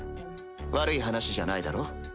悪い話じゃないだろ？